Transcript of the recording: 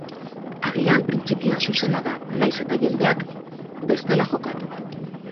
Agian printzipioa zuzena da, nahiz eta jendeak bestela jokatu.